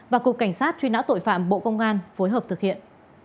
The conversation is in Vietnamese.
và cục cảnh sát truy nã tội phạm bộ công an phối hợp thực hiện